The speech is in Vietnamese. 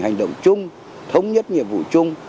hành động chung thống nhất nhiệm vụ chung